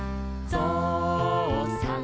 ぞうさん